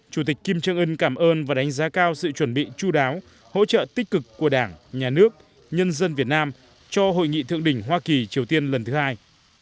chủ tịch kim trương ưn cảm ơn và đánh giá cao sự chuẩn bị chú đáo hỗ trợ tích cực của đảng nhà nước nhân dân việt nam cho hội nghị thượng đỉnh hoa kỳ triều tiên lần thứ hai